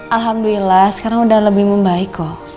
alhamdulillah sekarang udah lebih membaik kok